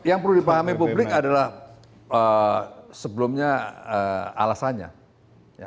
yang perlu dipahami publik adalah sebelumnya alasannya